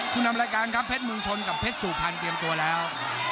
คุณนำรายการครับเพชรเมืองชนกับเพชรสุพรรณเตรียมตัวแล้ว